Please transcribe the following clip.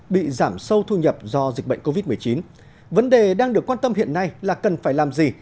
bị giảm sâu thu nhập do dịch bệnh covid một mươi chín vấn đề đang được quan tâm hiện nay là cần phải làm gì